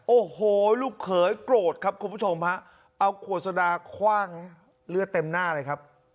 โอ้โหลูกเขยโกรธครับคุณผู้ชมฮะเอาขวดสดาคว่างเลือดเต็มหน้าเลยครับ